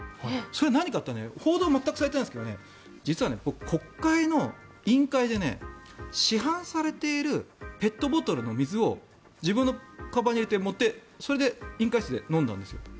それは何かって言ったら報道は全くされてないんですが実は、国会の委員会で市販されているペットボトルの水を自分のかばんに入れて、持ってそれで委員会室で飲んだんです。